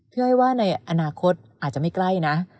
เพื่อให้ว่าในอนาคตอาจจะไม่ใกล้นะ